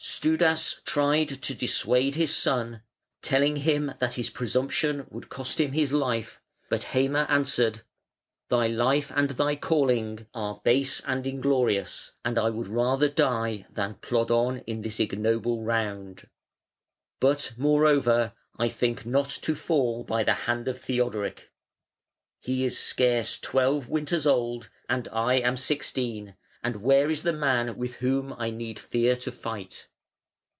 Studas tried to dissuade his son, telling him that his presumption would cost him his life; but Heime answered: "Thy life and thy calling are base and inglorious, and I would rather die than plod on in this ignoble round. But, moreover, I think not to fall by the hand of Theodoric. He is scarce twelve winters old, and I am sixteen; and where is the man with whom I need fear to fight?"